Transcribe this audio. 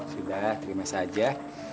sudah terima saja